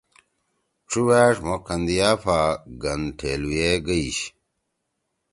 ڇووأݜ مھو کندیہ پھہ گن ٹھیلُویے گئی شی۔